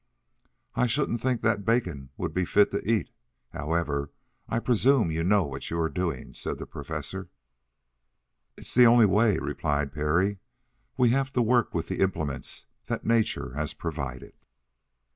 "I shouldn't think that bacon would be fit to eat. However, I presume you know what you are doing," said the Professor. "It's the only way, sir," replied Parry. "We have to work with the implements that nature has provided."